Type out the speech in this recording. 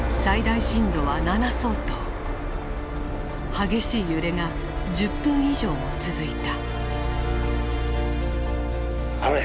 激しい揺れが１０分以上も続いた。